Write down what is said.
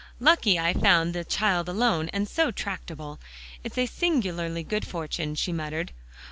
"Lucky I found the child alone, and so tractable. It's singularly good fortune," she muttered.